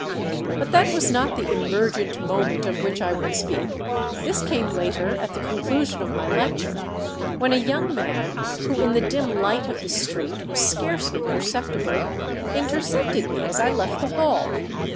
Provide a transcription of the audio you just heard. But that was not the Emergent Moment of which I would speak. This came later, at the conclusion of my lecture, when a young man who in the dim light of the street was scarcely perceptible, intercepted me as I left the hall.